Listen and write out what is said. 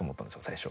最初。